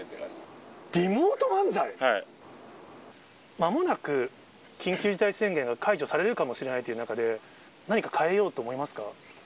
まもなく緊急事態宣言が解除されるかもしれないという中で、何か変えようと思いますか？